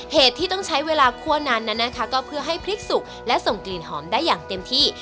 ที่ต้องใช้เวลาคั่วนั้นนั้นนะคะก็เพื่อให้พริกสุกและส่งกลิ่นหอมได้อย่างเต็มที่